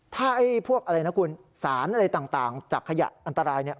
ถ้าพวกอะไรนะคุณสารอะไรต่างจากขยะอันตรายเนี่ย